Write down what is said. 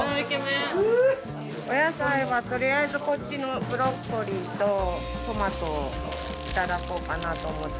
お野菜はとりあえずこっちのブロッコリーとトマトを頂こうかなと思って。